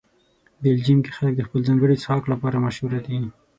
بلجیم کې خلک د خپل ځانګړي څښاک لپاره مشهوره دي.